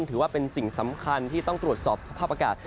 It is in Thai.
ถือว่าเป็นสิ่งสำคัญที่ต้องตรวจสอบสภาพอากาศ